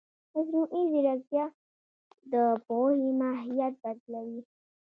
مصنوعي ځیرکتیا د پوهې ماهیت بدلوي.